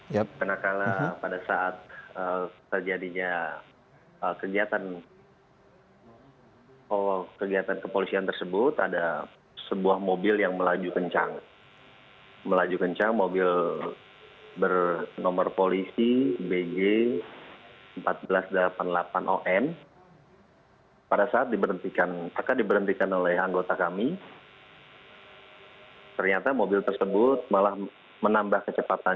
yang dilakukan oleh sata bata dengan sata bata